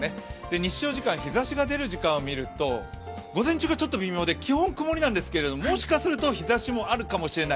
日照時間、日ざしが出る時間を見ると午前中がちょっと微妙で基本、曇りなんですけど、もしかすと日ざしもあるかもしれない。